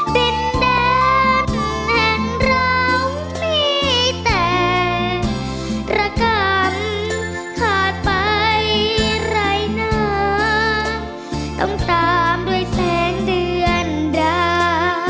ดินแดนแห่งเรามีแต่ประกันขาดไปไรหนาต้องตามด้วยแสงเดือนดา